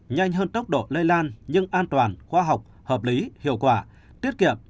nhanh hơn tốc độ lây lan nhưng an toàn khoa học hợp lý hiệu quả tiết kiệm